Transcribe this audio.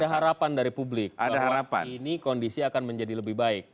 ada harapan dari publik ada harapan ini kondisi akan menjadi lebih baik